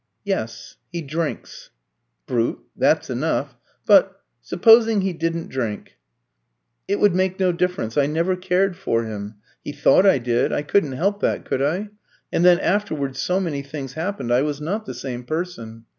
"Yes. He drinks." "Brute! That's enough. But supposing he didn't drink?" "It would make no difference. I never cared for him. He thought I did. I couldn't help that, could I? And then afterwards so many things happened I was not the same person.